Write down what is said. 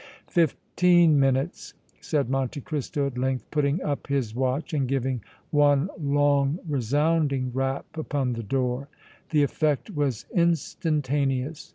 "Fifteen minutes!" said Monte Cristo at length, putting up his watch and giving one long, resounding rap upon the door. The effect was instantaneous.